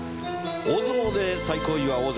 大相撲で最高位は大関。